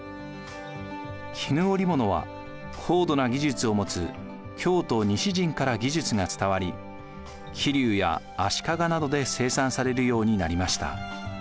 絹織物は高度な技術を持つ京都・西陣から技術が伝わり桐生や足利などで生産されるようになりました。